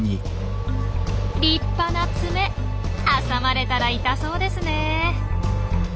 立派な爪！挟まれたら痛そうですね。